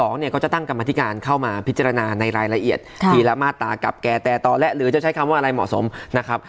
ก็จะตั้งกรรมธิการเข้ามาพิจารณาในรายละเอียดทีละมาตรากับแก่แต่ต่อและหรือจะใช้คำว่าอะไรเหมาะสมนะครับ